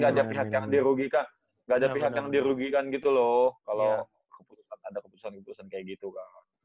gak ada pihak yang dirugikan gitu loh kalau ada keputusan keputusan kayak gitu kan